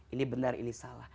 ini benar ini salah